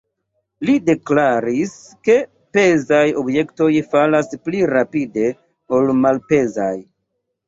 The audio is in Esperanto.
Li deklaris, ke pezaj objektoj falas pli rapide ol malpezaj.